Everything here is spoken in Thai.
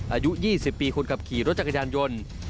อายุ๒๐ปีคนขับขี่รถจักรยานยนต์